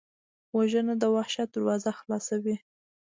وژنه د وحشت دروازه خلاصوي